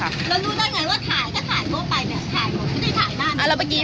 แล้วรู้ได้ไงว่าถ่ายก็ถ่ายเข้าไปเนี่ย